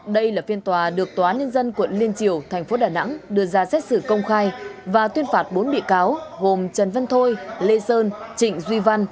đây là phiên tòa được tòa nhân dân quận liên triều thành phố đà nẵng đưa ra xét xử công khai và tuyên phạt bốn bị cáo gồm trần văn thôi lê sơn trịnh duy văn